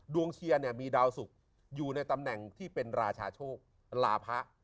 ดวงเชียมีดาวศุกร์อยู่ในตำแหน่งที่เป็นราชาโชคราพะ